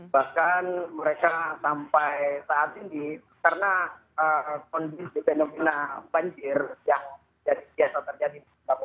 bahkan mereka sampai saat ini karena kondisi fenomena banjir yang biasa terjadi